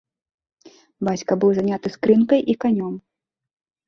Бацька быў заняты скрынкай і канём.